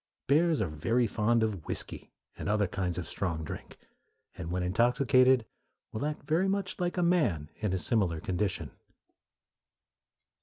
Bears are very fond of whiskey and other kinds of strong drink, and when intoxicated will act very much like a man in a similar condition.